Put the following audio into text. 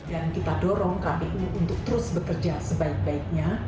dan kita dorong kpu untuk terus bekerja sebaik baiknya